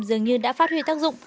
dường như đã phát huy tác dụng